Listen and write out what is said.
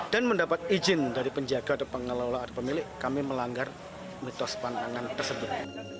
dan mendapat izin dari penjaga pengelola atau pemilik kami melanggar mitos pantangan tersebut